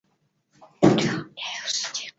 奥云格日勒在库苏古尔省出生和长大。